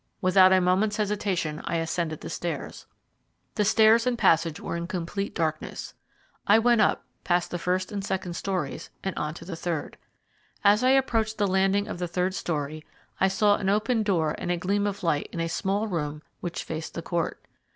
Without a moment's hesitation I ascended the stairs. The stairs and passage were in complete darkness. I went up, passed the first and second stories, and on to the third. As I approached the landing of the third story I saw an open door and a gleam of light in a small room which faced the court.